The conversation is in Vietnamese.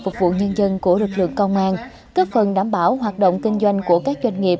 phục vụ nhân dân của lực lượng công an cấp phần đảm bảo hoạt động kinh doanh của các doanh nghiệp